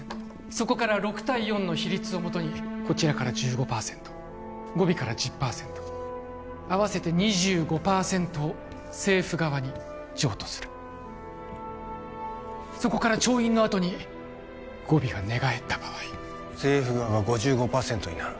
そこから６対４の比率をもとにこちらから１５％ゴビから１０％あわせて２５％を政府側に譲渡するそこから調印のあとにゴビが寝返った場合政府側が５５％になる